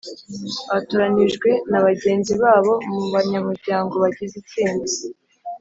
batoranijwe na bagenzi babo mu banyamuryango bagize itsinda